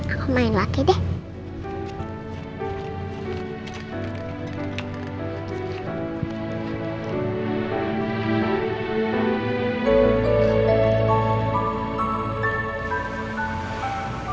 aku main lagi deh